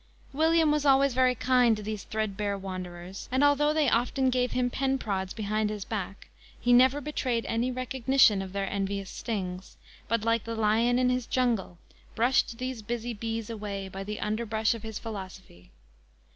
William was always very kind to these threadbare wanderers, and although they often gave him pen prods behind his back, he never betrayed any recognition of their envious stings, but like the lion in his jungle, brushed these busy bees away by the underbrush of his philosophy.